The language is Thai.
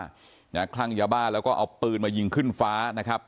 นะฮะคลั่งยาบ้าแล้วก็เอาปืนมายิงขึ้นฟ้านะครับ